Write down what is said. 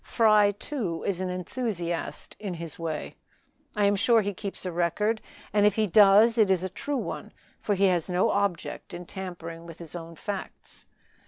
Fry, too, is an enthusiast in his way. I am sure he keeps a record, and if he does it is a true one, for he has no object in tampering with his own facts.